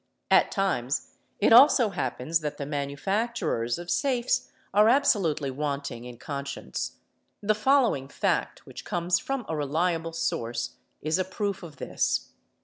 At times it also happens that the manufacturers of safes are absolutely S00 ee eee : wanting in conscience. The following fact which comes from a reliable source is a proof of this.